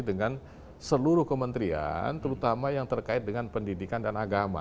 dengan seluruh kementerian terutama yang terkait dengan pendidikan dan agama